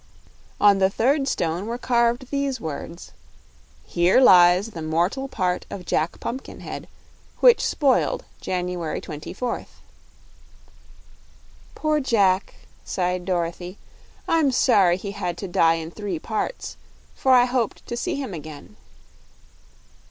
On the third stone were carved these words: Here Lies the Mortal Part of JACK PUMPKINHEAD Which Spoiled January 24th. "Poor Jack!" sighed Dorothy. "I'm sorry he had to die in three parts, for I hoped to see him again."